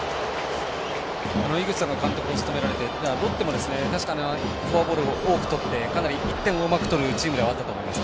井口さんが監督を務められたロッテもフォアボールを多くとって１点をうまく取るチームではあったと思います。